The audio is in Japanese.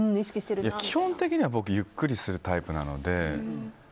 基本的には僕ゆっくりするタイプなので。